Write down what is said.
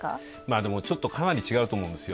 でもちょっとかなり違うと思うんです。